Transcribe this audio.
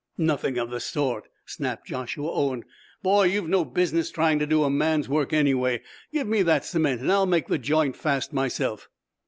"Nothing of the sort!" snapped Joshua Owen. "Boy, you've no business trying to do a man's work, anyway. Give me that cement, and I'll make the joint fast myself."